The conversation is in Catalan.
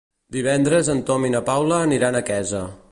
Divendres en Tom i na Paula aniran a Quesa.